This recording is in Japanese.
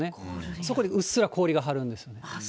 そこにうっすら氷が張るんです。